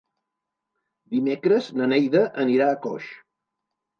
Dimecres na Neida anirà a Coix.